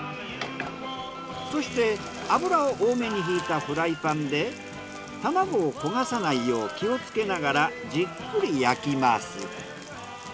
そして油を多めに引いたフライパンで卵を焦がさないよう気をつけながらじっくり焼きます。